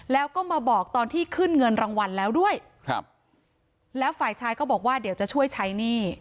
แล้วก็มาบอกตอนที่ขึ้นเงินรางวัลแล้วด้วยครับแล้วฝ่ายชายก็บอกว่าเดี๋ยวจะช่วยใช้หนี้